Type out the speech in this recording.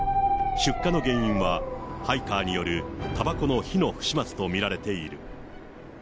出火の原因はハイカーによるたばこの火の不始末と見られている。